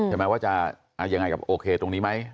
ว่าจะยังไงกับโอเคตรงนี้ไหม